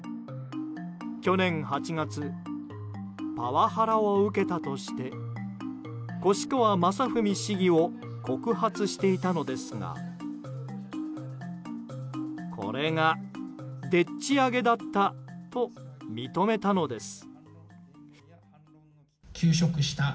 去年８月パワハラを受けたとして越川雅史市議を告発していたのですがこれが、でっち上げだったと認めたのです。